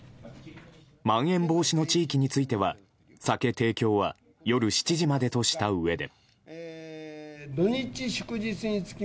まん延防止の地域については酒提供は午後７時までとしたうえで。